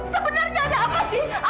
sebenarnya ada apa sih